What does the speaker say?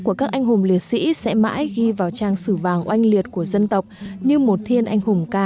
của các anh hùng liệt sĩ sẽ mãi ghi vào trang sử vàng oanh liệt của dân tộc như một thiên anh hùng ca